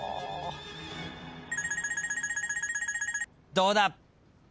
どうだ！？